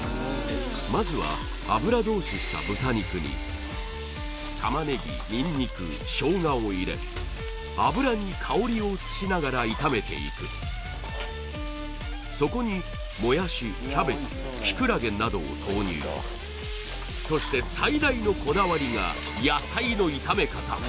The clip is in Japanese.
まずは油通しした豚肉に玉ねぎにんにく生姜を入れ油に香りを移しながら炒めていくそこにもやしキャベツキクラゲなどを投入そして最大のこだわりが野菜の炒め方